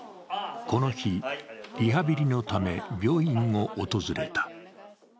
この日、リハビリのため病院を訪れた。